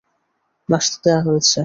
নাশতা দেয়া হয়েছে।